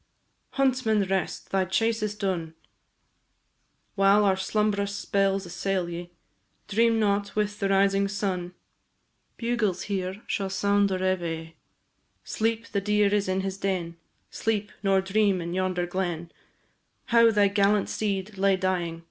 Huntsman, rest! thy chase is done; While our slumbrous spells assail ye, Dream not, with the rising sun, Bugles here shall sound reveillé. Sleep! the deer is in his den; Sleep! nor dream in yonder glen, How thy gallant steed lay dying.